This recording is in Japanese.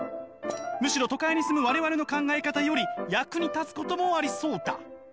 むしろ都会に住む我々の考え方より役に立つこともありそうだ」。